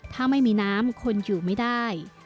ถ้าไม่มีน้ำคนอยู่ไม่ได้